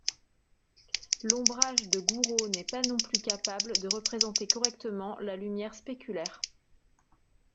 L'ombrage de Gouraud n'est pas non plus capable de représenter correctement la lumière spéculaire.